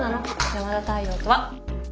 山田太陽とは。